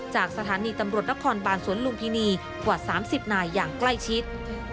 จากสถานีตำรวจนครบานสวนลุมพินีกว่า๓๐นายอย่างใกล้ชิด